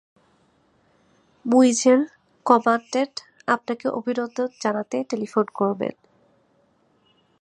মুইজেল, commandant আপনাকে অভিনন্দন জানাতে টেলিফোন করবেন।